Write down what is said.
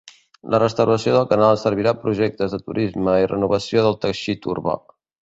La restauració del canal servirà projectes de turisme i renovació del teixit urbà.